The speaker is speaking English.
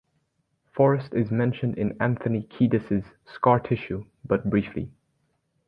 Forrest is mentioned in Anthony Kiedis's "Scar Tissue", but briefly.